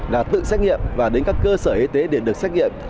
là tự xét nghiệm và đến các cơ sở y tế để được xét nghiệm